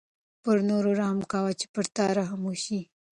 پر نورو رحم کوه چې په تا رحم وشي.